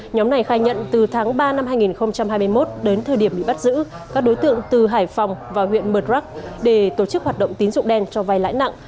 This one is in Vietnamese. nhóm này khai nhận từ tháng ba năm hai nghìn hai mươi một đến thời điểm bị bắt giữ các đối tượng từ hải phòng và huyện mờ rắc để tổ chức hoạt động tín dụng đen cho vai lãi nặng